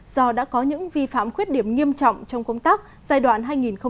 do đã có những vi phạm khuyết điểm nghiêm trọng trong công tác giai đoạn hai nghìn bốn hai nghìn một mươi một